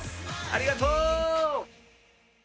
ありがとう！